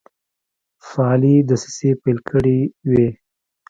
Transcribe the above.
فعالي دسیسې پیل کړي وې.